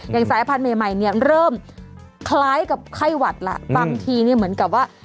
สายพันธุ์ใหม่เนี่ยเริ่มคล้ายกับไข้หวัดละบางทีเนี่ยเหมือนกับว่า